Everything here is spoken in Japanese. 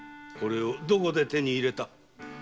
これをどこで手に入れた？